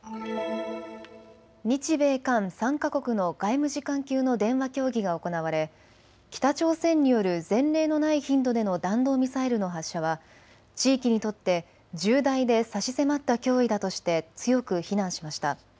日米韓３か国の外務次官級の電話協議が行われ北朝鮮による前例のない頻度での弾道ミサイルの発射は地域にとって重大で差し迫った脅威だとして強く非難しました。